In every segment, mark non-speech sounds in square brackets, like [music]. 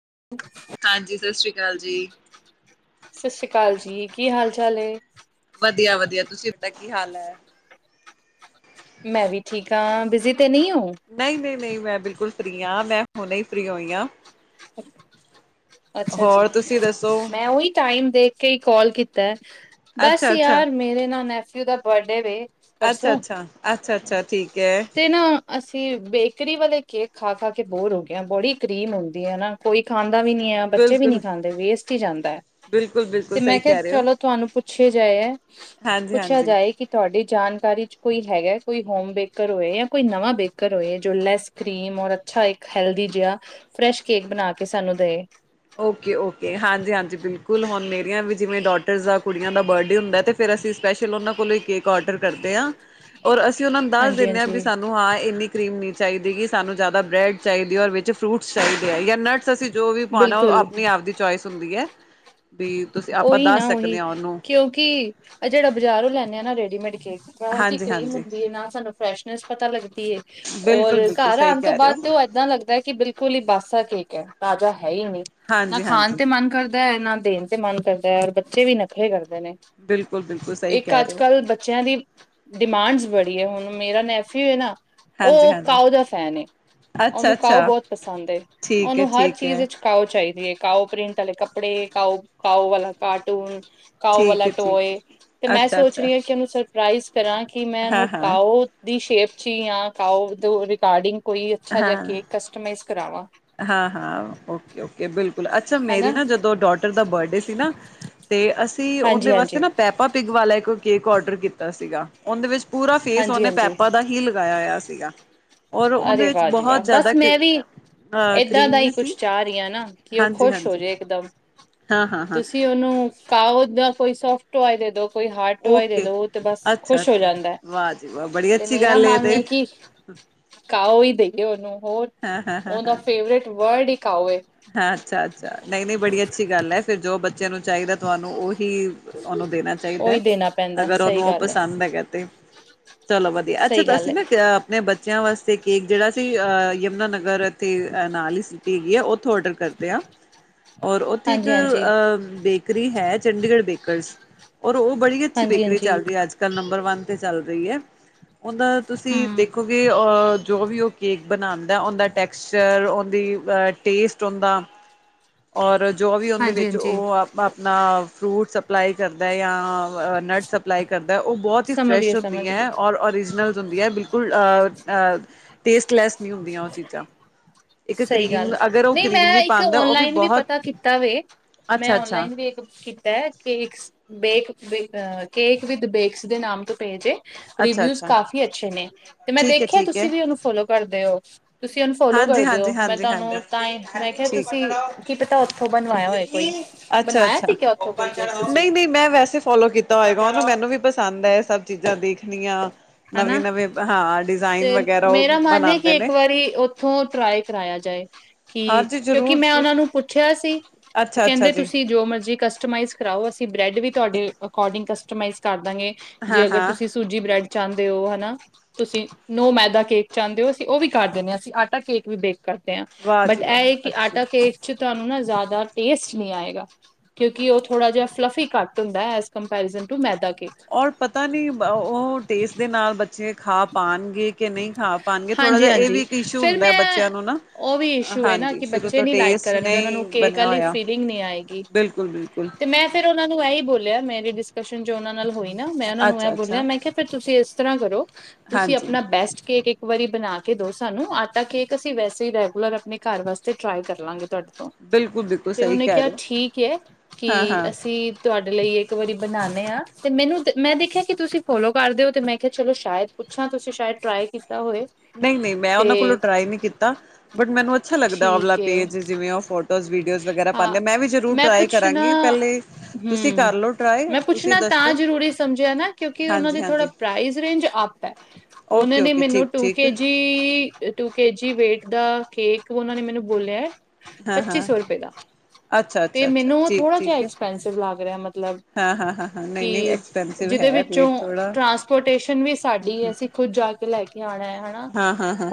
[inaudible] ਹਾਂਜੀ ਸਤਿ ਸ੍ਰੀ ਅਕਾਲ ਜੀ ਸਤਿ ਸ਼੍ਰੀ ਅਕਾਲ ਜੀ, ਕੀ ਹਾਲ-ਚਾਲ ਐ? ਵਧੀਆ ਵਧੀਆ ਤੁਸੀਂ ਦਾ ਕੀ ਹਾਲ ਐ? ਮੈਂ ਵੀ ਠੀਕ ਹਾਂ ਬਿਜ਼ੀ ਤੇ ਨੀ ਹੂੰ, ਨਹੀਂ ਨਹੀਂ ਨਹੀਂ ਮੈਂ ਬਿਲਕੁਲ ਫ੍ਰਰੀ ਹਾਂ ਮੈਂ ਹੁਣੇ ਹੀ ਫ੍ਰਰੀ ਹੋਈ ਹਾਂ ਅੱਛਾ ਜੀ, ਹੋਰ ਤੁਸੀਂ ਦੱਸੋ। ਮੈਂ ਉਹੀ ਟਾਈਮ ਦੇ ਕਈ ਕਾਲ ਕੀਤਾ ਬਸ ਅੱਛਾ ਅੱਛਾ ਯਾਰ ਮੇਰੇ ਨਾਲ ਨੈਫਿਊ ਦਾ ਬਰਡੇ ਵੇ ਪਰਸੋਂ ਅੱਛਾ-ਅੱਛਾ, ਅੱਛਾ-ਅੱਛਾ ਠੀਕ ਹੈ ਤੇ ਨਾ ਬੇਕਰੀ ਵਾਲੇ ਕੇਕ ਖਾ-ਖਾ ਕੇ ਬੋਰ ਹੋਗਿਆ, ਬੜੀ ਕਰੀਮ ਹੁੰਦੀ ਆਾ ਕੋਈ ਖਾਂਦਾ ਵੀ ਬੱਚੇ ਵੀ ਬਿਲਕੁਲ ਨਹੀਂ ਖਾਂਦੇ ਵੇਸਟ ਹੀ ਜਾਂਦਾ ਹੈ। ਬਿਲਕੁਲ ਬਿਲਕੁਲ ਤੇ ਮੈਂ ਸਹੀ ਕਿਹਾ ਕਹਿ ਰਹੇ ਹੋ ਚਲੋ, ਤੁਹਾਨੂੰ ਪੁੱਛੇ ਜਾਏ ਹੈ ਹਾਂਜੀ ਪੁੱਛਿਆ ਹਾਂਜੀ ਜਾਏ ਕਿ ਤੁਹਾਡੀ ਜਾਨ ਕਾਰੀ ਚ ਕੋਈ ਹੈਗਾ, ਕੋਈ ਹੋਮ ਬੇਕਰ ਹੋਏ ਜਾਂ ਕੋਈ ਨਵਾਂ ਬੇਕਰ ਹੋਏ ਜੋ ਲੈਸ ਕਰੀਮ ਔਰ ਅੱਛਾ ਇੱਕ ਹੈਲਦੀ ਜਿਹਾ ਫਰੈਸ਼ ਕੇਕ ਬਣਾ ਕੇ ਸਾਨੂੰ ਦੇਏ। ਓਕੇ ਓਕੇ, ਹਾਂਜੀ-ਹਾਂਜੀ, ਬਿਲਕੁਲ ਹੁਣ ਮੇਰੀਆਂ ਵੀ ਜਿਵੇਂ ਡੋਟਰਸ ਦਾ ਕੁੜੀਆਂ ਦਾ ਬਰਡੇ ਹੁੰਦਾ ਤੇ ਫਿਰ ਅਸੀਂ ਸਪੈਸ਼ਲ ਉਹਨਾਂ ਕੋਲੋਂ ਹੀ ਕੇਕ ਔਡਰ ਕਰਦੇ ਹਾਂ ਔਰ ਅਸੀਂ ਅਸੀਂ ਉਹਨਾਂ ਨੂੰ ਦੱਸ ਹਾਂਜੀ ਦਿੰਦੇ ਹਾਂ ਵੀ ਹਾਂਜੀ ਸਾਨੂੰ ਹਾਂ ਇੰਨੀ ਕਰੀਮ ਨੀ ਚਾਹੀਦੀ ਕਿ ਸਾਨੂੰ ਜ਼ਿਆਦਾ ਬ੍ਰੈਡ ਚਾਹੀਦੀ ਹੈ, ਵਿੱਚ ਫਰੂਟਸ ਚਾਹੀਦੇ ਆ ਜਾਂ ਨਟਸ ਅਸੀਂ ਜੋ ਪਾਣਾ ਉਹ ਬਿਲਕੁਲ ਆਪਣੀ ਆਪ ਦੀ ਚੁਇਸ ਹੁੰਦੀ ਹੈ। ਵੀ ਤੁਸੀਂ ਆਪਾਂ ਉਹੀ ਦੱਸ ਨਾ ਉਹੀ ਸਕਦੇ ਹਾਂ ਉਹਨੂੰ ਕਿਉਂਕਿ ਜਿਹੜਾ ਬਜ਼ਾਰੋਂ ਲੈਂਦੇ ਆ ਨਾ ਰੇਡੀਮੇਡ ਜਾਂ ਉਹਟੀ ਹਾਂਜੀ ਕਰੀਮ ਹਾਂਜੀ ਹੁੰਦੀ ਹੈ, ਨਾ ਸਾਨੂੰ ਫਰੈਸ਼ਨੈਸ ਪਤਾ ਲੱਗਦੀ ਬਿਲਕੁਲ ਔਰ ਬਿਲਕੁਲ ਘਰ ਸਹੀ ਆਣ ਤੋਂ ਕਹਿ ਰਹੇ ਬਾਅਦ ਹੋ ਤੇ ਉਹ ਏਦਾਂ ਲੱਗਦਾ, ਕਿ ਬਿਲਕੁਲ ਹੀ ਬਾਸਾ ਕੇਕ ਹੈ ਤਾਜ਼ਾ ਹੈ ਹੀ ਨਹੀਂ ਨਾ ਹਾਂਜੀ ਖਾਣ ਹਾਂਜੀ ਤੇ ਮਨ ਕਰਦਾ ਨਾ ਦੇਣ ਤੇ ਮਨ ਕਰਦਾ, ਔਰ ਬੱਚੇ ਵੀ ਨਖਰੇ ਕਰਦੇ ਬਿਲਕੁਲ ਬਿਲਕੁਲ ਸਹੀ ਇੱਕ ਕਹਿ ਰਹੇ ਹੋ ਅੱਜ-ਕੱਲ੍ਹ ਬੱਚਿਆਂ ਦੀ ਡਿਮਾਂਡਸ ਬ ਹੁਣ ਮੇਰਾ ਨੈਫਿੂਉ ਹੈ ਨਾ ਹਾਂਜੀ ਉਹ ਹਾਂਜੀ ਕਾਓ ਦਾ ਫੈਨ ਏ ਅੱਛਾ ਉਹਨੂੰ ਕਾਓ ਅੱਛਾ ਬਹੁਤ ਪਸੰਦ ਠੀਕ ਹੈ ਉਹਨੂੰ ਹਰ ਠੀਕ ਚੀਜ਼ ਹੈ ਵਿੱਚ ਕਾਓ, ਚਾਹੀਦੀ ਐ। ਕਾਓ ਪ੍ਰਿੰਟ ਵਾਲੇ ਕਪੜੇ ਕਾਓ ਕਾਓ ਵਾਲਾ ਕਾਰਟੂਨ ਕਾਓ ਵਾਲਾ, ਟੋਏ ਤੇ ਮੈਂ ਸੋਚ ਰਹੀ ਹਾਂ ਕਿ ਉਹਨੂੰ ਸਰਪ੍ਰਾਈਜ਼ ਕਰਾਂ ਕਿ ਮੈਂ ਹਾਂ ਉਹਨੂੰ ਹਾਂ ਕਾਓ ਦੀ ਸ਼ੇਪ ਚ ਜਾਂ ਕਓ ਰਿਗਾਰਡਿੰਗ ਕੋਈ ਅੱਛਾ ਜਾ ਕੇ ਕਸਟਮਾਈਜ਼ ਕਰਾਵਾਂ ਹਾਂ-ਹਾਂ, ਓਕੇ-ਓਕੇ ਬਿਲਕੁਲ ਅੱਛਾ ਮੇਰੀ ਹਨਾ ਨਾ ਜਦੋਂ ਡੋਟਰ ਦਾ ਬਰਡੇ ਸੀ ਨਾ, ਤੇ ਅਸੀਂ ਹਾਂਜੀ ਉਹਦੇ ਵਾਸਤੇ ਹਾਂਜੀ ਨਾ ਪੈਪਾ ਪਿਗ ਵਾਲਾ ਕੇਕ ਔਡਰ ਕੀਤਾ ਸੀਗਾ, ਉਹਦੇ ਵਿੱਚ ਪੂਰਾ ਫੇਸ ਹਾਂਜੀ ਉਹਨੇ ਹਾਂਜੀ ਪੈਪਾ ਦਾ ਹੀ ਲਗਾਇਆ ਹੋਇਆ ਸੀ। ਸੀਗਾ ਔਰ ਉਹਦੇ ਅਰੇ ਵਿੱਚ ਵਾਹ ਜੀ ਬਹੁਤ ਵਾਹ ਜ਼ਿਆਦਾ ਬਸ ਕ ਮੈਂ ਵੀ ਏਦਾਂ ਦਾ ਕਰੀਮ ਹੀ ਵੀ ਕੁਛ ਸੀ ਚਾਹ ਰਹੀ, ਆ ਨਾ ਕਿ ਉਹ ਹਾਂਜੀ ਖੁਸ਼ ਹਾਂਜੀ ਹੋਜੇ ਇੱਕਦਮ ਹਾਂ ਹਾਂ ਹਾਂ ਤੁਸੀਂ ਉਹਨੂੰ ਖਓ, ਦਾ ਕੋਈ ਸੋਫਟ ਟੋਆਏ ਦੇਦੋ। ਕੋਈ ਹਾਰਡ ਢੁਆਈ ਦੇ ਓਕੇ ਦੋ ਤੇ ਬਸ ਅੱਛਾ ਖੁਸ਼ ਹੋ ਅੱਛਾ ਜਾਂਦਾ ਹੈ, ਵਾਹ ਤੇ ਮੇਰਾ ਮਨ ਐਹੀ ਕਿ ਹੂੰ, ਕਾਹਓ ਹੀ ਦੇਏ ਉਹਨੂੰ ਹੋਰ ਉਹਦਾ ਫੇਵਰੇਟ ਵਰਡ ਇੱਕ ਹਾਂ ਅੱਛਾ-ਅੱਛਾ ਨਹੀਂ-ਨਹੀਂ ਬੜੀ ਅੱਛੀ ਗੱਲ ਐ, ਫਿਰ ਜੋ ਬੱਚਿਆਂ ਨੂੰ ਚਾਹੀਦਾ ਤੁਹਾਨੂੰ ਉਹੀ ਉਹਨੂੰ ਦੇਣਾ ਚਾਹੀਦਾ ਐ, ਉਹੀ ਦੇਣਾ ਪੈਂਦਾ ਅਗਰ ਸਹੀ ਉਹਨੂੰ ਉਹ ਗੱਲ ਹੈ ਪਸੰਦ ਹੈਗਾ ਤੇ, ਚਲੋ ਵਧੀਆ, ਅੱਛਾ ਸਹੀ ਤਾਂ ਗੱਲ ਅਸੀਂ ਹੈ ਨਾ ਆਪਣੇ ਬੇ ਬੱਚਿਆਂ ਵਾਸਤੇ ਕੇਕ ਜਿਹੜਾ ਸੀ ਅ ਯਮੁਨਾਨਗਰ ਇਥੇ ਅਹ ਨਾਲੀ ਸਿਟੀ ਹੈਗੀ ਹੋ। ੳਹਥੋ ਔਡਰ ਕਰਦੇ ਆ ਔਰ ਉੱਥੇ ਇੱਕ ਹਾਂਜੀ ਹਾਂਜੀ ਅ ਬੇਕਰੀ ਹੈ। ਚੰਡੀਗੜ੍ਹ ਬੇਕਰਸ ਔਰ ਉਹ ਬੜੀ ਅੱਛੀ ਹਾਂਜੀ ਬੇਕਰੀ ਹਾਂਜੀ ਚੱਲ ਰਹੀ ਅੱਜ ਕੱਲ ਨੰਬਰ ਵਨ। ਤੇ ਚੱਲ ਰਹੀ ਹੈ ਉਹਦਾ ਤੁਸੀਂ ਹਮ ਦੇਖੋਗੇ ਅ ਜੋ ਵੀ ਉਹ ਕੇਕ ਬਣਾਉਣ। ਉਹ ਦਾ ਟੇਕਚਰ ਉਹ ਦੀ ਅ ਟੈਸਟ ਉਹ ਦਾ ਔਰ। ਜੋ ਵੀ ਉਹਦੇ ਹਾਂਜੀ ਵਿੱਚ ਹਾਂਜੀ ਉਹ ਆਪ ਆਪਣਾ ਫਰੂਟ। ਸਪਲਾਈ ਕਰਦਾ ਜਾਂ ਨਟ ਸਪਲਾਈ ਕਰਦਾ। ਉਹ ਬਹੁਤ ਹੀ ਸਮਝ ਫਰੈਸ਼ ਗਏ ਸਮਝ ਗਏ ਹੁੰਦੀਆਂ ਔਰ ਓਰੀਜਨਲ। ਹੁੰ ਬਿਲਕੁਲ ਟੇਸਟਲੈ ਨਹੀਂ ਹੁੰਦੀਆਂ ਉਹ ਚੀਜ਼ਾਂ। ਇੱਕ ਸਹੀ ਕਰੀਮ ਗੱਲ ਹੈ ਅਗਰ ਉਹ ਨਹੀਂ ਕਰੀਮ ਮੈਂ ਵੀ ਇੱਕ ਪਾਉਂਦਾ ਉਹ ਓਨਲਾਈਨ ਵੀ ਬਹੁਤ ਪਤਾ ਕੀਤਾ ਵੇ। ਮੈਂ ਅੱਛਾ ਅੱਛਾ ਓਨਲਾਈਨ ਵੀ ਇਕ ਕੀਤਾ cake bake. Cake with bakes ਦੇ ਨਾਮ ਤੋਂ ਪੇਜ ਏ। ਅੱਛਾ ਰਿਵਿਊਜ ਅੱਛਾ ਕਾਫੀ ਅੱਛੇ ਨੇ ਤੇ ਮੈਂ ਠੀਕ ਹੈ ਦੇਖਿਆ ਠੀਕ ਤੁਸੀਂ ਹੈ ਵੀ ਉਹਨੂੰ ਫੋਲੋ ਕਰਦੇ ਹੋ। ਤੁਸੀਂ ਅਨਫੋਲੋ ਹਾਂਜੀ ਕਰਦੇ ਹਾਂਜੀ ਹੋ। ਮੈਂ ਹਾਂਜੀ ਹਾਂਜੀ ਤੁਹਾਨੂੰ ਤਾਂ ਹੀ ਮੈਂ ਕਿਹਾ ਤੁਸੀਂ ਠੀਕ ਕਿ ਪਿਤਾ ਉੱਥੋਂ ਬਣਵਾਇਆ ਹੋਇਆ ਕੋਈ ਬਣਵਾਇਆ ਸੀ ਕਿ ਨਹੀਂ ਨਹੀਂ ਮੈਂ ਵੈਸੇ ਫੋਲੋ ਕੀਤਾ ਹੋਏਗਾ ਉਹਨੂੰ ਮੈਨੂੰ ਵੀ ਬਸ। ਪਸੰਦ ਹੈ ਸਭ ਚੀਜ਼ਾਂ ਦੇਖਣੀਆਂ। ਨਵੇਂ ਹਨਾ ਨਵੇ ਹਾਂ ਡਿਜ਼ਾਇਨ ਤੇ ਵਗੈਰਾ ਉਹ ਮੇਰਾ ਮਨ ਹੈ ਬਣਾਉਦੇ ਕਿ ਇੱਕ ਨੇ। ਵਾਰੀ ਉੱਥੋਂ ਟਰਾਈ ਕਰਾਇਆ ਜਾਏ ਕਿ ਹਾਂਜੀ ਕਿਉਂਕਿ ਜ਼ਰੂਰ ਮੈਂ ਉਹਨਾਂ ਨੂੰ ਪੁੱਛਿਆ ਸੀ। ਉਹ ਅੱਛਾ-ਅੱਛਾ ਕਹਿੰਦੇ ਜੀ ਤੁਸੀਂ ਜੋ ਮਰਜੀ ਕਸਟਮਾਈਜ਼ ਕਰਾਓ ਅਸੀਂ ਬ੍ਰੈਡ ਵੀ। ਤੁਹਾਡੇ ਅਕੋਡਿੰਗ ਕਸਟਮਾਈਜ਼ ਕਰਦਾਂਗੇ ਜੇ ਅਗਰ ਹਾਂ-ਹਾਂ ਤੁਸੀਂ ਸੂਜੀ ਬ੍ਰੈਡ। ਚਾਹੁੰਦੇ ਹੋ ਹਨਾ, ਤੁਸੀਂ ਨੋ ਮੈਦਾ ਕੇਕ ਚਾਹੁੰਦੇ ਹੋ ਅਸੀਂ ਉਹ ਵੀ ਕਰ ਦਿੰਦੇ ਹਾਂ ਅਸੀਂ ਆਟਾ ਕੇਕ ਵੀ ਬੇਖ ਕਰਦੇ ਹਾਂ ਵਾਹ ਬਟ ਜੀ ਇਹ ਵਾਹ ਕਿ ਅੱਛੀ ਆਟਾ ਕੇਕ ਚ ਤੁਹਾਨੂੰ ਨਾ ਜ਼ਿਆਦਾ ਟੇਸਟ। ਨਹੀਂ ਆਏਗਾ ਕਿਉਂਕਿ ਉਹ ਥੋੜਾ ਜਿਹਾ ਫਲਫੀ ਕੱਟ ਹੁੰਦਾ as comparison to maida. Cake. ਔਰ ਪਤਾ ਨੀ ਉਹ ਟੇਸਟ ਦੇ ਨਾਲ ਬੱਚੇ ਖਾ ਪਾਉਣਗੇ। ਕੇ ਨਹੀਂ ਖਾ ਪਾਣਗੇ ਥੋੜਾ ਜਿਹਾ ਇਹ ਹਾਂਜੀ-ਹਾਂਜੀ ਵੀ ਇੱਕ ਇਸ਼ੂ ਫਿਰ ਹੁੰਦਾ ਮੈਂ ਬੱਚਿਆਂ ਨੂੰ ਨਾ ਉਹ ਵੀ ਇਸ਼ੂ ਹੈ ਨਾ ਹਾਂਜੀ ਕਿ ਸ਼ੁਰੂ ਬੱਚੇ ਤੋਂ ਨੀ ਟੇਸਟ ਲਾਈਕ ਕਰਨਗੇ ਉਹਨਾਂ ਨਹੀਂ ਨੂੰ ਕੇਕ ਬਣਿਆ ਵਾਲੀ ਹੋਇਆ ਫੀਲਿੰਗ ਨੀ ਆਏਗੀ ਬਿਲਕੁਲ-ਬਿਲਕੁਲ ਤੇ ਮੈਂ ਫਿਰ ਉਹਨਾਂ ਨੂੰ ਇਹੀ ਬੋਲਿਆ ਮੇ ਜੋ ਉਹਨਾਂ ਨਾਲ ਹੋਈ ਨਾ ਮੈਂ ਉਹਨਾਂ ਨੂੰ ਇਹ ਬੋਲਿਆ ਅੱਛਾ-ਅੱਛਾ ਮੈਂ ਕਿਹਾ ਫਿਰ ਤੁਸੀਂ ਇਸ ਤਰ੍ਹਾਂ ਕਰੋ ਤੁਸੀਂ ਹਾਂਜੀ ਆਪਣਾ ਬੈਸਟ। ਕੇਕ ਇੱਕ ਵਾਰੀ ਬਣਾ ਕੇ ਦੋ ਸਾਨੂੰ ਆਟਾ ਕੇਕ ਅਸੀਂ ਵੈਸੇ ਹੀ ਰੈਗੂਲਰ ਆਪਣੇ ਘਰ ਵਾਸਤੇ ਟਰਾਈ ਕਰ ਲਾਂਗੇ ਤੁਹਾਡਾ। ਬਿਲਕੁਲ-ਬਿਲਕੁਲ ਤੇ ਸਹੀ ਉਹਨੇ ਕਹਿ ਕਿਹਾ ਰਹੇ ਹੋ ਠੀਕ ਹੈ ਕਿ ਹਾਂ-ਹਾਂ ਅਸੀਂ ਤੁਹਾਡੇ ਲਈ ਇੱਕ ਵਾਰੀ। ਬਣਾਉਂਦੇ ਆ ਤੇ ਮੈਨੂੰ ਮੈਂ ਦੇਖਿਆ ਕਿ ਤੁਸੀਂ ਫੋਲੋ ਕਰਦੇ ਹੋ ਤੇ ਮੈਂ ਕਿਹਾ ਚਲੋ ਸ਼ਾਇਦ ਪੁੱਛਾਂ ਤੁਸੀਂ ਸ਼ਾਇਦ ਟਰਾਈ। ਕੀਤਾ ਹੋਏ ਨਹੀਂ ਨਹੀਂ ਮੈਂ ਉਹਨਾਂ ਕੋਲੋਂ ਤੇ ਟਰਾਈ ਨਹੀਂ ਕੀਤਾ ਬਟ ਮੈਨੂੰ ਅੱਛਾ ਲੱਗਦਾ ੳਵਲਾ ਠੀਕ ਏ ਪੇਜ ਜਿਵੇਂ। ਫੋਟੋ ਸ ਵੀਡੀਓ ਸ ਵਗੈਰਾ ਹਾਂ ਪਾਦੇ ਮੈਂ ਵੀ ਜਰੂਰ ਟ੍ਰਾਈ ਕਰਾਂਗੀ ਪਹਿਲੇ। ਤੁਸੀਂ ਹਮ ਕਰ ਲਓ ਟਰਾਈ ਮੈਂ ਤੁਸੀਂ ਪੁੱਛਣਾ ਤਾਂ ਦੱਸੋ ਜਰੂਰੀ ਸਮਝਿਆ ਨਾ ਕਿਉਂਕਿ ਉਹਨਾਂ ਦੀ ਥੋੜਾ ਹਾਂਜੀ-ਹਾਂਜੀ ਪ੍ਰਾਈਜ਼ ਰੇਂਜ। ਉਹਨਾਂ ਨੇ ਓਕੇ-ਓਕੇ ਮੈਨੂੰ। ਟੂ ਠੀਕ-ਠੀਕ ਕੇ ਜ ਟੂ ਕੇ ਜੀ ਵੇਟ ਦਾ ਕੇਕ ਉਹਨਾਂ ਨੇ ਮੈਨੂੰ ਬੋਲਿਆ ਹੈ। ਪੱਚੀ ਹਾਂ-ਹਾਂ ਸੌ ਰੁਪਏ ਦਾ। ਤੇ ਅੱਛਾ-ਅੱਛਾ-ਅੱਛਾ ਮੈਨੂੰ ਉਹ ਥੋੜਾ ਜਿਹਾ ਠੀਕ-ਠੀਕ ਐਕਸਪੈਂਸਿਵ ਲੱਗ ਰਿਹਾ ਮਤਲਬ ਹਾਂ-ਹਾਂ-ਹਾਂ-ਹਾਂ ਕਿ। ਨਹੀਂ-ਨਹੀਂ ਐਕਸਪੈਂਸਿਵ ਜਿਹਦੇ ਹੈ ਵਿੱਚੋਂ ਰੇਟ ਥੋੜ੍ਹਾ ਟਰਾਂਸਪੋਰਟੇਸ਼ਨ ਵੀ ਸਾਡੀ ਅਸੀਂ ਖੁਦ ਜਾ ਕੇ ਲੈ ਕੇ। ਆਣਾ ਹਨਾ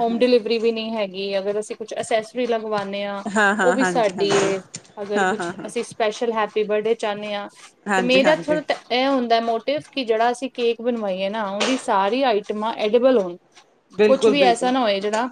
ਹੋਮ ਡਿਲੀਵਰੀ ਵੀ ਨੀ ਹੈਗੀ ਅਗਰ ਅਸੀਂ ਕੁਛ ਅਸਸਰੀ ਲ। ਮੰਗਵਾਉਂਦੇ ਹਾਂ ਉਹ ਹਾਂ-ਹਾਂ ਵੀ ਹਾਂਜੀ-ਹਾਂਜੀ ਸਾਡੀ ਏ ਅਗਰ ਕੁਛ ਹਾਂ-ਹਾਂ-ਹਾਂ ਅਸੀਂ ਸਪੈਸ਼ਲ ਹੈਪੀ ਬਰਡੇ ਚਾਹੁੰਦੇ ਹਾਂ। ਤੇ ਮੇਰਾ ਹਾਂਜੀ-ਹਾਂਜੀ ਥੋੜਾ ਇਹ ਹੁੰਦਾ ਮੋਟਿਵ ਕਿ ਜਿਹੜਾ ਅਸੀਂ ਕੇਕ ਬਣਵਾਈ- ਨਾ ਉਹਦੀ ਸਾਰੀ ਆਈਟਮਾਂ ਐਡੇਬਲ ਹੋਣ ਕੁਛ ਵੀ ਐਸਾ ਬਿਲਕੁਲ-ਬਿਲਕੁਲ ਨਾ ਹੋਏ ਜਿਹੜਾ-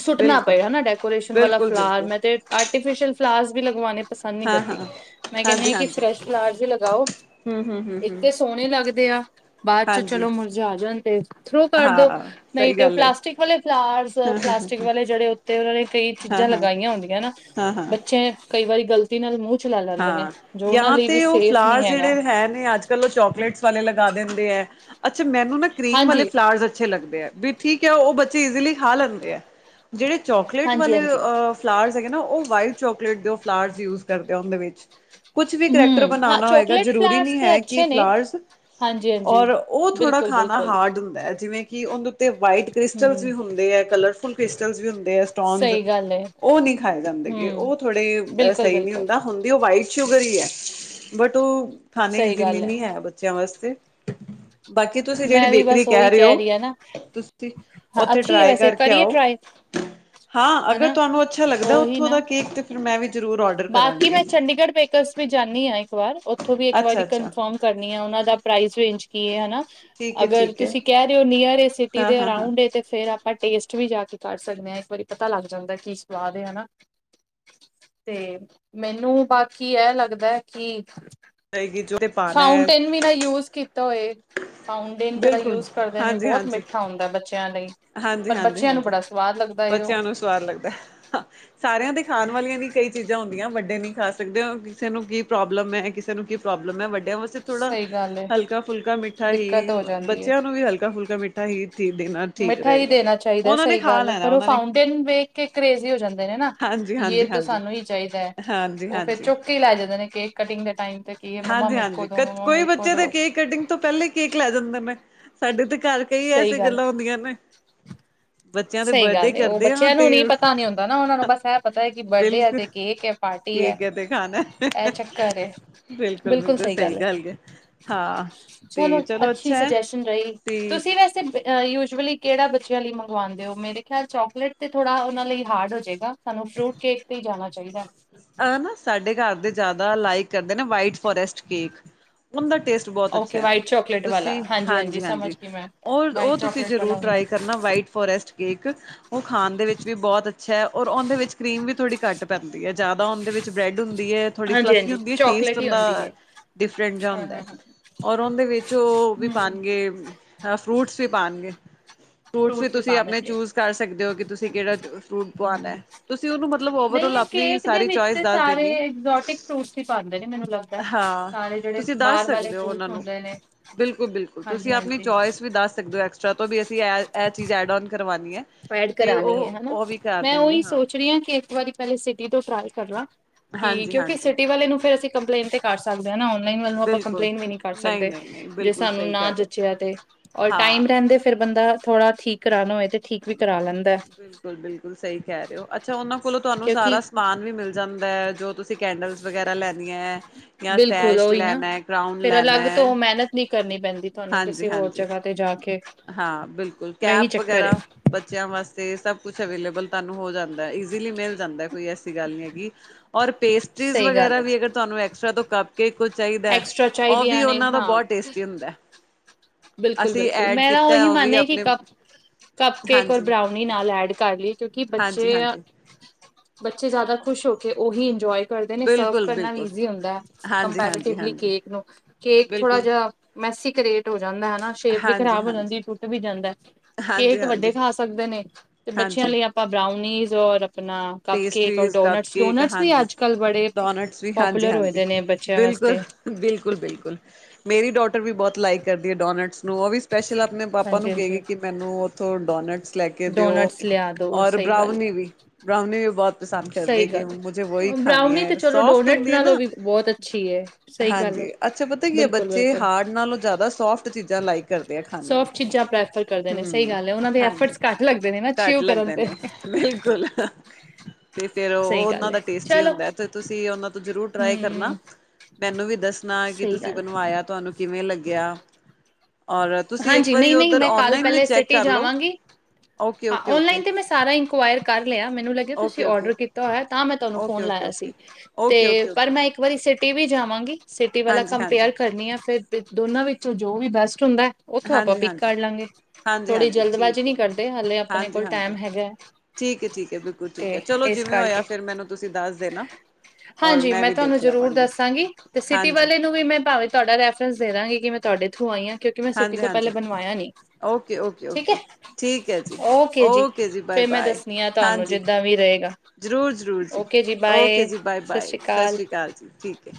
ਸੁੱਟਣਾ ਬਿਲਕੁਲ ਪਏ ਹਨਾ ਡੈਕੋਰੇਸ਼ਨ ਵਾਲਾ ਫਲਾਰ ਬਿਲਕੁਲ-ਬਿਲਕੁਲ ਮੈਂ ਤੇ ਆਰਟੀਫਿਸ਼ਲ ਫਲਾਰ ਵੀ ਲਗਵਾਣੇ ਪਸੰਦ ਨਹੀਂ ਕਰਦੀ ਹਾਂ-ਹਾਂ, ਮੈਂ ਕਹਿੰਦੀ ਹਾਂ ਕਿ ਹਾਂਜੀ-ਹਾਂਜੀ। ਫਰੈਸ਼ ਫਲਾਰਸ ਹੀ ਲਗਾਓ ਹੂੰ-ਹੂੰ। ਇੱਕ ਤਾਂ ਸੋਹਣੇ ਲੱਗਦੇ ਆ ਬਾਅਦ ਚ ਹਾਂਜੀ, ਹਾਂਜੀ ਚਲੋ ਮੁੁਰਜ਼ਾ ਜਾਂਦੇ ਥਰੋ ਕਰ ਦੋ ਹਾਂ ਨਹੀਂ ਸਹੀ ਤੇ ਉਹ ਗੱਲ ਏ, ਪਲਾਸਟਿਕ ਵਾਲੇ ਫਲਾਰਸ, ਪਲਾਸਟਿਕ ਵਾਲੇ ਜਿਹੜੇ ਉੱਤੇ ਉਹਨਾਂ ਨੇ ਕਈ ਚੀਜ਼ਾਂ- ਹਾਂ-ਹਾਂ, ਹਾਂ-ਹਾਂ। ਲਗਾਈਆਂ ਹੁੰਦੀਆਂ ਹਨਾ ਹਾਂ, ਹਾਂ ਬੱਚੇ ਕਈ ਵਾਰੀ ਗਲਤੀ ਨਾਲ ਮੂੰਹ ਚਲਾ ਲੈਂਦੇ ਨੇ ਹਾਂ ਜੋ ਉਹਨਾਂ ਜਾਂ ਲਈ ਵੀ ਤੇ ਉਹ ਸੇਫ ਫਲਾਰ ਨਹੀਂ ਹੈਗਾ ਜਿਹੜੇ ਹੈ ਨੇ ਅੱਜ ਕੱਲ ਉਹ ਚੋਕਲੇਟਸ ਵਾਲੇ ਲ ਦਿੰਦੇ ਹੈ। ਅੱਛਾ। ਮੈਨੂੰ ਨਾ ਕਰੀਮ ਵਾਲੇ ਹਾਂਜੀ ਫਲਾਵਰਸ ਅੱਛੇ ਲੱਗਦੇ। ਵੀ ਠੀਕ ਹੈ ਉਹ ਬੱਚੇ ਇਜ਼ਲੀ ਖਾ ਲੈਂਦੇ ਆ। ਜਿਹੜੇ ਚੋਕਲੇਟ ਹਾਂਜੀ ਵਾਲੇ ਹਾਂਜੀ ਅ ਫਲਾਵਰ ਨਾ ਉਹ ਵਾਈਟ ਚੋਕਲੇਟ ਦੇ ਫਲਾਵਰ ਯੂਜ ਕਰਦੇ ਆ। ਉਹਦੇ ਵਿੱਚ ਕੁਛ ਵੀ ਕਰੈਕਟਰ ਹਮ ਹਾਂ ਬਣਾਣਾ ਹੋਏਗਾ ਚੋਕਲੇਟ ਜਰੂਰੀ ਫਲਾਰਸ ਨੀ ਤੇ ਹੈ ਕਿ ਅੱਛੇ ਨੇ ਫਲਰਸ ਹਾਂਜੀ ਹਾਂਜੀ ਔਰ ਉਹ ਥੋੜ੍ਹਾ ਬਿਲਕੁਲ ਖਾਣਾ ਬਿਲਕੁਲ ਹਾਰਡ ਹੁੰਦਾ ਹੈ। ਜਿਵੇਂ ਕਿ ਉਹਦੇ ਉੱਤੇ ਵਾਈਟ ਕ੍ਰਿਸਟਲ ਹਮ ਵੀ ਹੁੰਦੇ ਹੈ, ਕਲਰਫੁਲ ਕ੍ਰਿਸਟਲ ਵੀ ਹੁੰ ਉ ਸਟੋਗ ਸਹੀ ਗੱਲ ਹੈ ਉਹ ਨਹੀਂ ਖਾਏ ਜਾਂਦੇ। ਹਮ ਉਹ ਥੋੜੇ ਬਿਲਕੁਲ ਸਹੀ ਨਹੀਂ ਹੁੰ- ਬਿਲਕੁਲ ਹੁੰਦੀ ਉਹ ਵਾਈਟ ਸ਼ੂਗਰ ਹੀ ਹੈ ਬਟ ਉਹ ਖਾਣੇ ਸਹੀ ਇਜ਼ਲੀ ਗੱਲ ਨਹੀਂ ਹੈ ਬੱਚਿਆਂ ਵਾਸਤੇ [inaudible] ਬਾਕੀ ਤੁਸੀਂ ਜਿਹੜੀ ਮੈਂ ਵੀ ਬੇਕਰੀ ਬਸ ਕਹਿ ਉਹੀ ਰਹੇ ਹੋ। ਰਹੀ ਆ ਨਾ ਤੁਸੀ ਹਾਂ ਓਥੇ ਅੱਛੀ ਹੈ ਟਰਾਈ ਵੈਸੇ ਕਰਕੇ ਕਰੀਏ ਆਓ। [inaudible] ਹਾਂ। ਅਗਰ ਹਨਾ ਤੁਹਾਨੂੰ ਅੱਛਾ ਲੱਗਦਾ ਉਹੀ ਉੱਥੋਂ ਦਾ ਨਾ ਕੇਕ ਤੇ ਫਿਰ ਮੈਂ ਵੀ ਜ਼ਰੂਰ ਔਡਰ ਬਾਕੀ ਮੈਂ ਕਰਾਂਗੀ ਚੰਡੀਗੜ੍ਹ ਪੇਪਰਸ ਵੀ ਜਾਂਦੀ ਆਂ ਇੱਕ ਵਾਰ ਓਥੋਂ ਵੀ ਇੱਕ ਅੱਛਾ ਵਾਰੀ ਅੱਛਾ ਕਨਫਰਮ ਕਰਨੀ ਆ। ਉਨ੍ਹਾਂ ਦਾ ਪਰਾਈਜ ਰੇਨਜ ਕੀ ਐ। ਠੀਕ ਹੈ ਅਗਰ ਠੀਕ ਹੈ ਤੁਸੀਂ ਕਹਿ ਰਹੇ ਹੋ ਨੀਅਰ ਸਿਟੀ ਹਾਂ ਦੇ ਹਾਂ ਹਾਂ ਰਉਡ ਤੇ ਫੇਰ ਆਪਾਂ ਟੇਸਟ ਵੀ ਜਾ ਕੇ ਕਰ ਸਕਦੇ ਹਾਂ ਇੱਕ ਵਾਰੀ ਪਤਾ ਲੱਗ ਜਾਂਦਾ ਕੀ ਸਵਾਦ ਹੈ ਹਨਾ। ਤੇ ਮੈਨੂੰ ਬਾਕੀ ਇਹ ਲੱਗਦਾ ਹੈ। ਕਿ ਜਾਏਗੀ ਜੋ ਤੇ ਪਾਉਣਾ ਹੈ ਫਾਊਂਟੇਨ ਵੀ ਨਾ ਯੂਜ ਕੀਤਾ ਹੋਏ। ਫਾਂਉਡੇਨ ਜਿਹੜਾ ਬਿਲਕੁਲ ਯੂਜ ਕਰਦੇ ਨੇ ਹਾਂਜੀ ਬਹੁਤ ਹਾਂਜੀ ਮਿੱਠਾ ਹੁੰਦਾ ਬੱਚਿਆਂ ਲਈ ਹਾਂਜੀ ਪਰ ਹਾਂਜੀ ਬੱਚਿਆਂ ਨੂੰ ਹਾਂਜੀ ਬੜਾ ਸਵਾਦ ਲੱਗਦਾ ਹੈ ਉਹ ਬੱਚਿਆਂ ਨੂੰ ਸਵਾਦ ਲੱਗਦਾ। ਸਾਰਿਆਂ ਦੇ ਖਾਣ ਵਾਲਿਆਂ ਨੀ ਕਈ ਚੀਜ਼ਾਂ ਹੁੰਦੀਆਂ ਵੱਡੇ ਨਹੀਂ ਖਾ ਸਕਦੇ ਕਿਸੇ ਨੂੰ ਕੀ ਪ੍ਰੋਬਲਮ ਹੈ, ਕਿਸੇ ਨੂੰ ਕੀ ਪ੍ਰੋਬਲਮ ਹੈ। ਵੱਡਿਆਂ ਥੋੜਾ, ਸਹੀ ਗੱਲ ਹੈ ਹਲਕਾ -ਫੁਲਕਾ ਮਿੱਠਾ ਹੀ ਦਿੱਕਤ ਹੋ ਜਾਂਦੀ ਹੈ ਬੱਚਿਆਂ ਨੂੰ ਵੀ ਹਲਕਾ- ਫੁਲਕਾ ਮਿੱਠਾ ਹੀ ਦੇਣਾ ਠੀਕ ਮਿੱਠਾ ਹੀ ਰਹੇਗਾ ਦੇਣਾ ਚਾਹੀਦਾ ਉਹਨਾਂ ਨੇ ਸਹੀ ਖਾ ਗੱਲ ਹੈ ਲੈਣਾ ਪਰ ਉਹ ਉਹਨਾਂ ਨੇ ਫਾਊਂਟੇਨ ਵੇਖ ਕੇ ਕਰੇਜ਼ੀ ਹੋ ਜਾਂਦੇ ਨੇ ਨਾ ਹਾਂਜੀ ਹਾਂਜੀ ਯ ਹਾਂਜੀ ਸਾਨੂੰ ਹੀ ਚਾਹੀਦਾ ਹੈ। ਹਾਂਜੀ ਉਹ ਫੇਰ ਹਾਂਜੀ ਚੁੱਕ ਹੀ ਲੈ ਜਾਂਦੇ ਨੇ ਕੇਕ ਕਟਿੰਗ ਦੇ ਟਾਈਮ ਤੇ ਕੀ ਮੰਮਾ ਹਾਂਜੀ ਮੇਰੇ ਕੋਲ ਹਾਂਜੀ ਕੋਈ ਬੱਚੇ ਦੇ ਕੇਕ ਕੱਟਿੰਗ ਤੋਂ ਪਹਿਲਾਂ ਹੀ ਕੇਕ ਲੈ ਜਾਂਦੇ ਨੇ। ਸਾਡੇ ਤੇ ਕਰ ਕਈ ਐਸ ਸਹੀ ਗੱਲ ਗੱਲਾਂ ਹੁੰਦੀਆਂ ਨੇ। ਬੱਚਿਆਂ ਦੇ ਸਹੀ ਬਰਡੇ ਗੱਲ ਏ। ਉਹ ਕਰਦੇ ਹਾਂ ਬੱਚਿਆਂ ਨੂੰ ਨੀ ਤੇ, ਪਤਾ ਨੀ ਹੁੰਦਾ ਨਾ ਉਹਨਾਂ ਨੂੰ ਬਸ ਇਹ ਪਤਾ ਹੈ ਕਿ ਬਰਡੇ ਹੈ ਬਿਲਕੁਲ ਤੇ ਕੇਕ ਹੈ ਪਾਰਟੀ ਠੀਕ ਹੈ ਤੇ ਖਾਣਾ ਇਹ ਚੱਕਰ ਹੈ ਬਿਲਕੁਲ-ਬਿਲਕੁਲ ਸਹੀ ਗੱਲ ਹੈ ਹਾਂ। ਚਲੋ ਤੇ ਅੱਛੀ ਅੱਛਾ ਹੈ ਸੁਜੈਸ਼ਨ ਰਹੀ। ਤੁਸੀਂ ਤੁਸੀਂ ਵੈਸੇ ਯੂਜਅਲੀ ਕਿਹੜਾ ਬੱਚਿਆਂ ਲਈ ਮੰਗਵਾਉਂਦੇ। ਮੇਰੇ ਖਿਆਲ ਚੋਕਲੇਟ ਤੇ ਥੋੜਾ ਉਹ ਲਈ ਹਾਰਡ ਹੋ ਜਾਏਗਾ। ਸਾਨੂੰ ਫਰੂਟ ਕੇਕ ਤੇ ਹੀ ਜਾਣਾ ਚਾਹੀਦਾ ਆ ਨਾ ਸਾਡੇ ਘਰ ਦੇ ਜ਼ਿਆਦਾ ਲਾਈਕ ਕਰਦੇ ਨਾ ਵਾਈਟ ਫੋਰਸਟ ਕੇਕ। ਉਹਦਾ ਟੇਸਟ ਬਹੁਤ ਅੱਛਾ ਓਕੇ ਹੈ। ਵਾਈਟ ਚੋਕਲੇਟ ਵਾਲਾ ਤੁਸੀਂ, ਹਾਂਜੀ ਹਾਂਜੀ ਸਮਝ ਹਾਂਜੀ-ਹਾਂਜੀ, ਗਈ ਮੈਂ ਵਾਈਟ ਉਹ-ਉਹ ਤੁਸੀਂ ਚੋਕਲੇਟ ਵਾਲਾ ਜ਼ਰੂਰ ਹੁੰਦਾ ਟਰਾਈ ਕਰਨਾ ਵਾਈਟ ਫੋਰੈਸਟ ਕੇਕ। ਉਹ ਖਾਣ ਦੇ ਵਿੱਚ ਵੀ ਬਹੁਤ ਅੱਛਾ ਹੈ। ਔਰ ਉਹਦੇ ਵਿੱਚ ਕਰ੍ਰੀਮ ਵੀ ਥੋੜ੍ਹੀ ਘੱਟ ਪੈਂਦੀ ਹੈ। ਜ਼ਿਆਦਾ ਉਹਦੇ ਵਿੱਚ ਬ੍ਰੈਡ ਹੁੰ ਦੀ ਹੈ ਥੜੀ ਹਾਂਜੀ ਫਲੱਫੀ ਹਾਂਜੀ ਹੁੰਦੀ ਹੈ। ਟੇਸਟ ਚੋਕਲੇਟ ਹੀ ਹੁੰਦਾ ਹੁੰਦੀ ਹੈ ਡਿਫਰੈਂਟ ਜਿਹਾ ਹਾਂ ਹੁੰਦਾ। ਹਾਂ ਹਾਂ। ਔਰ ਉਹਦੇ ਵਿੱਚ ਉਹ ਵੀ ਹਮ ਪਾਉਣਗੇ, ਫਰੂਟਸ ਵੀ ਪਾਉਣਗੇ। ਫਰੂਟ ਵੀ ਫਰੂਟਸ ਤੁਸੀਂ ਪਾ ਆਪਣੇ ਦਿੰਦੇ ਆ। ਚੂਜ ਕਰ ਸਕਦੇ ਹੋ ਕਿ ਤੁਸੀਂ ਕਿਹੜਾ ਫਰੂਟ ਪਉਣਾ ਹਮ। ਹੈ। ਤੁਸੀਂ ਉਹਨੂੰ ਮਤਲਬ ਨਹੀਂ ਓਵਰਲ ਇਹ ਕੇਕ ਦੇ ਵਿੱਚ ਤੇ ਸਾਰੇ ਐਗਜੋਟਿਕ ਫਰੂਟਸ ਹੀ ਪਾਉਂਦੇ ਨੇ ਮੈਨੂੰ ਲੱਗਦਾ। ਹਾਂ ਸਾਰੇ ਜਿਹੜੇ ਤੁਸੀਂ ਦੱਸ ਬਾਹਰ ਵਾਲੇ ਸਕਦੇ ਹੋ ਉਹਨਾਂ ਫਰੂਟਸ ਨੂੰ, ਹੁੰਦੇ ਨੇ ਬਿਲਕੁਲ-ਬਿਲਕੁਲ ਤੁਸੀਂ ਹਾਂਜੀ ਆਪਣੀ ਹਾਂਜੀ ਚੋਇਸ ਵੀ ਦੱਸ ਸਕਦੇ ਹੋ ਐਕਸਟਰਾ ਤੋਂ ਵੀ ਅਸੀਂ ਇਹ ਚੀਜ਼ ਐਡ ਔ ਐਡ ਕਰਾਣੀ ਹੈ ਹਨਾ। ਵੀ ਕਰ ਮੈਂ ਦੇਣਗੇ ਉਹੀ ਸੋਚ ਰਹੀ ਹਾਂ। ਕਿ ਇੱਕ ਵਾਰੀ ਪਹਿਲੇ ਸਿੱ ਤੋਂ ਟ੍ਰ ਕਰਨਾ ਕਿ ਹਾਂਜੀ ਕਿਉਂਕਿ ਹਾਂਜੀ ਸਿਟੀ ਵਾਲੇ ਨੂੰ ਫੇਰ ਅਸੀਂ ਕੰਪਲੇਂਨ ਤੇ ਕਰ ਸਕਦੇ। ਅਓਨਲਾਈਨ ਵੱਲ ਆਪਾਂ ਬਿਲਕੁਲ ਕੰਪਲੇਂਟ ਵੀ ਨੀ ਕਰ ਨਹੀਂ ਸਕਦੇ। ਨਹੀਂ ਨਹੀਂ ਜੇ ਬਿਲਕੁਲ ਸਾਨੂੰ ਸਹੀ ਨਾ ਕਹਿ ਰਹੇ ਹੋ ਜਚਿਆ ਤੇ ਔਰ ਹਾਂ ਟਾਈਮ ਰਹਿੰ ਕਦੇ ਫੇਰ ਬੰਦਾ ਥੋੜਾ ਠੀਕ ਕਰਾਉਣਾ ਹੋਏ ਤੇ ਠੀਕ ਵੀ ਕਰਾ ਲੈਂਦਾ ਬਿਲਕੁਲ-ਬਿਲਕੁਲ ਸਹੀ ਕਹਿ ਰਹੇ ਹੋ ਅੱਛਾ। ਉਹਨਾਂ ਕੋਲੋਂ ਤੁਹਾਨੂੰ ਸਾਰਾ ਕਿਉਂਕਿ ਸਮਾਨ ਵੀ ਮਿਲ ਜਾਂਦਾ। ਜੋ ਤੁਸੀਂ ਕੈਂਡਲ ਵਗੈਰਾ ਲੈਣ ਹੈ ਜਾਂ ਬਿਲਕੁਲ ਸੈਸ਼ ਉਹੀ ਨਾ ਲੈਣਾ, ਕਰਾਉਨ ਫਿਰ ਲੈਣਾ ਅਲੱਗ ਹੈ। ਤੋਂ ਮਿਹਨਤ ਨਹੀਂ ਕਰਨੀ ਪੈਂਦੀ ਤੁਹਾਨੂੰ ਹਾਂਜੀ। ਕਿਸੇ ਹੋਰ ਜਗ੍ਹਾ ਤੇ ਜਾ ਕੇ ਹਾਂ, ਬਿਲਕੁਲ ਇਹੀ ਕੈਪ ਚੱਕਰ ਏ ਵਗੈਰਾ ਬੱਚਿਆਂ ਵਾਸਤੇ ਸਭ ਕੁਛ ਅਵੇਲੇਬਲ ਤੁਹਾਨੂੰ ਹੋ ਜਾਂਦਾ ਹੈ। ਇਜਿਲੀ ਮਿਲ ਜਾਂਦਾ ਹੈ। ਕੋਈ ਐਸੀ ਗੱਲ ਨੀ ਹੈਗੀ ਔਰ ਪੇਸਟਰੀਜ਼ ਸਹੀ ਗੱਲ ਵਗੈਰਾ ਹੈ ਵੀ ਅਗਰ ਤੁਹਾਨੂੰ ਐਕਸਟ੍ਰਰਾ ਤੋਂ ਕੱਪ ਕੇ ਕੁਝ ਚਾਹੀਦਾ ਹੈ ਐਕਸਟਰਾ ਉਹ ਵੀ ਚਾਹੀਦੀਆਂ ਉਹਨਾਂ ਦਾ ਬਹੁਤ ਟੇਸਟੀ ਹੁੰਦਾ ਐ। ਬਿਲਕੁਲ-ਬਿਲਕੁਲ ਮੇਰਾ ਉਹੀ ਵੀ ਮੰਨਐ ਕਿ ਆਪਣੇ ਕੱਪ ਕਪਕੇਕ ਔਰ ਬਰਾਉਨੀ ਨਾਲ ਐਡ ਕਰ ਲਈ ਕਿਉਂਕਿ ਬੱਚੇ ਹਾਂਜੀ-ਹਾਂਜੀ-ਹਾਂਜੀ ਬੱਚੇ ਜ਼ਿਆਦਾ ਖੁਸ਼ ਹੋ ਕੇ ਉਹੀ ਇੰਜੋਯ ਕਰਦੇ ਨੇ ਸਰਵ ਕਰਨਾ ਵੀ ਬਿਲਕੁਲ-ਬਿਲਕੁਲ ਇਜ਼ੀ ਹੁੰਦਾ ਹੈ, ਹਾਂਜੀ, ਹਾਂਜੀ, ਕੰਪੈਟਿਵਲੀ ਹਾਂਜੀ ਕੇਕ ਨੂੰ। ਕੇਕ ਥੋੜਾ ਬਿਲਕੁਲ ਜਿਹਾ ਮੈਸੀ ਕਰਏਟ ਹੋ ਜਾਂਦਾ ਐ। ਹਨਾ, ਸ਼ੇਪ ਵੀ ਹਾਂਜੀ, ਖ਼ਰਾਬ ਹੋ ਹਾਂਜੀ, ਜਾਂਦੀ ਟੁੱਟ ਵੀ ਜਾਂਦਾ ਹਾਂਜੀ, ਕੇਕ ਹਾਂਜੀ, ਵੱਡੇ ਖਾ ਸਕਦੇ ਨੇ ਤੇ ਬੱਚਿਆਂ ਹਾਂਜੀ ਲਈ ਆਪਾਂ ਬਰਾਉਨੀਜ਼ ਔਰ ਆਪਣਾ ਕਪਕੇਕ ਔਰ pastries cup donuts, cake donuts ਵੀ ਹਾਂਜੀ ਅੱਜ -ਕੱਲ ਬੜੇ ਪਾਪੂਲਰ ਹੋਏ ਦੇ ਨੇ ਬੱਚਿਆਂ ਮ ਬਿਲਕੁਲ-ਬਿਲਕੁਲ-ਬਿਲਕੁਲ ਮੇਰੀ ਡੋਟਰ ਵੀ ਬਹੁਤ ਲਾਈਕ ਕਰਦੀ ਹੈ ਡੋਨਡਸ। ਉਹ ਵੀ ਸਪੈਸ਼ਲ ਆਪਣੇ ਪਾਪਾ ਨੂੰ ਹਾਂਜੀ ਹਾਂਜੀ ਕੇਗੀ ਕਿ ਮੈਨੂੰ ਉੱਥੋਂ ਡੋਨਟਸ ਲੈ ਕੇ ਦਿਓ। ਡੋਨਟਸ ਲਿਆ ਦੋ ਔਰ ਸਹੀ ਗੱਲ ਹੈ ਬ੍ਰਉਨੀ ਵੀ ਬਰਾਉਨੀ ਵੀ ਬਹੁਤ ਪਸੰਦ ਕਰਦੇ ਸਹੀ ਕਿ ਗੱਲ ਮੁਜੇ ਵਹੀ ਹੈ। ਖਣੀ ਬਰਾਊਨੀ ਤੇ ਹੈ ਚਲੋ ਸੋਫਟ ਡੋਨਟ ਹੁੰਦੀ ਹੈ ਨਾਲੋਂ ਨਾ, ਵੀ ਬਹੁਤ ਅੱਛੀ ਏ ਸਹੀ ਗੱਲ ਏ ਹਾਂਜੀ। ਅੱਛਾ ਪਤਾ ਕੀ ਹੈ ਬਿਲਕੁਲ ਬੱਚੇ ਬਿਲਕੁਲ ਹਾਰਡ ਨਾਲੋਂ ਜ ਜ਼ਿਆਦਾ ਸੋਫਟ ਚੀਜ਼ਾਂ ਲਾਈਕ ਕਰਦੇ ਆ ਖਾਣੀਆਂ। ਸੋਫਟ ਚੀਜ਼ਾਂ ਪ੍ਰੈਫਰ ਕਰਦੇ ਨੇ ਸਹੀ ਹਮ, ਗੱਲ ਏ ਉਹਨਾਂ ਦੇ ਹਾਂਜੀ ਐਫਰਟਸ ਘੱਟ ਲੱਗਦੇ ਨੇ ਨਾ ਚਿਊ ਘੱਟ ਕਰਨ ਲੱਗਦੇ ਤੇ ਨੇ ਬਿਲਕੁਲ ਤੇ ਫੇਰ ਉਹ ਸਹੀ ਉਹਨਾਂ ਗੱਲ ਏ ਦਾ ਟੇਸਟੀ ਚਲੋ ਹੁੰਦਾ ਹੈ ਤੇ ਤੁਸੀਂ ਉਹਨਾਂ ਤੋਂ ਜ਼ਰੂਰ ਟਰਾਈ ਕਰਨਾ ਹੂੰ ਮੈਨੂੰ ਵੀ ਦੱਸਣਾ ਕਿ ਸਹੀ ਤੁਸੀਂ ਗੱਲ ਹੈ। ਬਣਵਾਇਆ ਤੁਹਾਨੂੰ ਕਿਵੇਂ ਲੱਗਿਆ ਔਰ ਤੁਸੀਂ ਇੱਕ ਹਾਂਜੀ ਵਾਰੀ ਨਹੀਂ ਨਹੀਂ ਓਧਰ ਮੈਂ ਕੱਲ ਓਨਲਾਈਨ ਵੀ ਪਹਿਲੇ ਚੈਕ ਸਿਟੀ ਕਰਲੋ ਜਾਵਾਂਗੀ ਹਾਂ, ਓਨਲਾਈਨ ਤੇ ਮੈਂ ਸਾਰਾ ਇਨਕੁਇਰ ਕਰ ਲਿਆ ਮੈਨੂੰ ਲੱਗਿਆ ਤੁਸੀਂ ਓਕੇ, ਡਰ ਓਕੇ, ਕੀਤਾ ਹੋਇਆ ਤਾਂ ਮੈਂ ਤੁਹਾਨੂੰ ਓਕੇ, ਫੋਨ ਓਕੇ, ਲਾਇਆ ਓਕੇ। ਸੀ ਤੇ ਓਕੇ, ਓਕੇ, ਓਕੇ ਪਰ ਮੈਂ ਇੱਕ ਵਾਰੀ ਸਿਟੀ ਵੀ ਜਾਵਾਂਗੀ। ਸਿਟੀ ਵਾਲਾ ਹਾਂਜੀ, ਹਾਂਜੀ, ਕੰਪੇਅਰ ਕਰਨੀ ਆ। ਫੇਰ ਦੋਨਾਂ ਵਿੱਚੋਂ ਜੋ ਵੀ ਬੈਸਟ ਹੁੰਦਾ ਉਥੋਂ ਆਪਾਂ ਹਾਂਜੀ, ਪਿਕ ਹਾਂਜੀ। ਕਰ ਲਾਂਗੇ। ਹਾਂਜੀ, ਥੋੜ੍ਹੀ ਹਾਂਜੀ ਜਲਦਬਾਜ਼ੀ ਠੀਕ ਹੈ। ਨਹੀਂ ਕਰਦੇ। ਹਾਲੇ ਆਪਣੇ ਹਾਂਜੀ, ਕੋਲ ਹਾਂਜੀ ਟਾਈਮ ਹੈਗਾ ਹੈ। ਠੀਕ ਹੈ-ਠੀਕ ਹੈ, ਬਿਲਕੁਲ ਠੀਕ ਹੈ। ਚਲੋ ਜਿਵੇਂ ਹੋਇਆ ਫੇਰ ਮੈਨੂੰ ਤੁਸੀਂ ਦੱਸ ਦੇਣਾ ਔਰ ਹਾਂਜੀ, ਮੈਂ ਵੀ ਤੁਹਾਨੂੰ ਦੇਖ ਜ਼ਰੂਰ ਲਵਾਂਗੀ ਦੱਸਾਂਗੀ ਤੇ ਸਿਟੀ ਹਾਂਜੀ ਵਾਲੇ ਨੂੰ ਵੀ ਮੈਂ ਭਾਵੇਂ ਤੁਹਾਡਾ ਰੈਫਰੈਂਸ ਦੇ ਦਾਂਗੀ ਕਿਵੇ ਤੁਹਾਡੇ ਥੂ ਆਈ ਹਾਂ ਕਿਉਂਕਿ ਮੈਂ ਸਿਟੀ ਹਾਂਜੀ ਤੋਂ ਪਹਿਲ ਹਾਂਜੀ ਬਣਇਆ ਨੀ ਓਕੇ ਓਕੇ ਠੀਕ ਹੈ, ਓਕੇ ਠੀਕ ਹੈ ਜੀ ਓਕੇ ਜੀ। ਬਾਏ ਫੇਰ ਮੈਂ ਦੱਸਣੀ ਆ ਤੁਹਾਨੂੰ ਜਿੱਦਾਂ ਵੀ ਰਹੇਗਾ ਜ਼ਰੂਰ-ਜ਼ਰੂਰ ਜੀ, ਓਕੇ ਜੀ, ਬਾਏ-ਬਾਏ, ਸਤਿ ਸ਼੍ਰੀ ਅਕਾਲ ਜੀ ਠੀਕ ਹੈ।